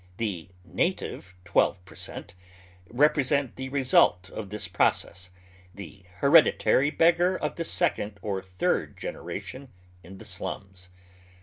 The " native " twelve per cent, represent the result of this process, the hereditary beggar of the second or third generation in the slums.